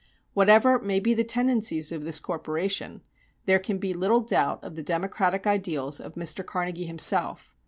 Whatever may be the tendencies of this corporation, there can be little doubt of the democratic ideals of Mr. Carnegie himself.